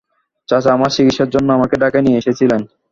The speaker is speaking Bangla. চাচা আমার চিকিৎসার জন্যে আমাকে ঢাকায় নিয়ে এসেছিলেন।